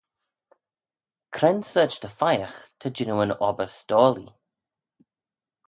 Cre'n sorçh dy pheiagh ta jannoo yn obbyr s'doillee?